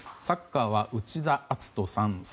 サッカーは内田篤人さん。